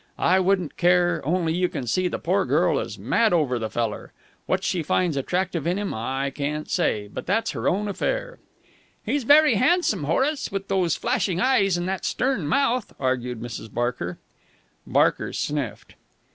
I wouldn't care, only you can see the poor girl is mad over the feller. What she finds attractive in him, I can't say, but that's her own affair." "He's very handsome, Horace, with those flashing eyes and that stern mouth," argued Mrs. Barker. Barker sniffed.